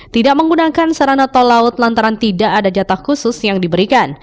tidak menggunakan sarana tol laut lantaran tidak ada jatah khusus yang diberikan